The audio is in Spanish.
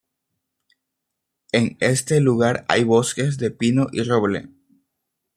En este lugar hay bosques de pino y roble.